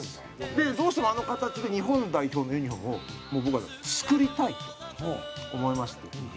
どうしてもあの形の日本代表のユニフォームをもう僕は作りたいと思いまして。